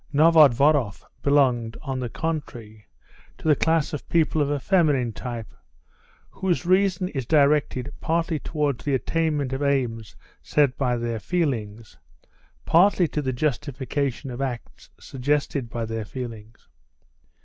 Novodvoroff belonged, on the contrary, to the class of people of a feminine type, whose reason is directed partly towards the attainment of aims set by their feelings, partly to the justification of acts suggested by their feelings.